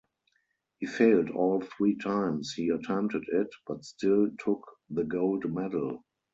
He failed all three times he attempted it, but still took the gold medal.